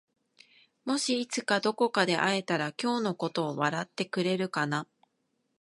もしいつかどこかで会えたら今日のことを笑ってくれるかな？